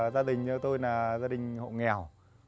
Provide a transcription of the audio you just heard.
gia đình tôi là gia đình hộ nghèo